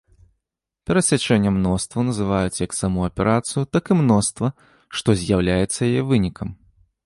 Перасячэннем мностваў называюць як саму аперацыю, так і мноства, што з'яўляецца яе вынікам.